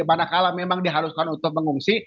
manakala memang diharuskan untuk mengungsi